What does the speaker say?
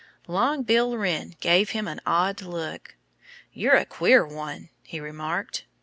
Long Bill Wren gave him an odd look. "You're a queer one," he remarked.